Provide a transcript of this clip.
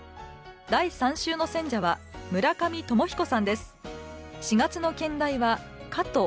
第３週の選者は村上鞆彦さんです。